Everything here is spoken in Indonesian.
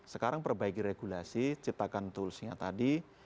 sekarang perbaiki regulasi ciptakan toolsnya tadi